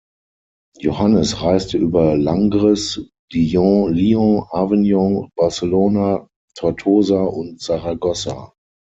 Johannes reiste über Langres, Dijon, Lyon, Avignon, Barcelona, Tortosa und Saragossa.